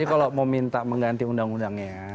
jadi kalau mau minta mengganti undang undangnya